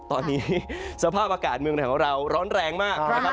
ตอนนี้สภาพอากาศเมืองของเราร้อนแรงมาก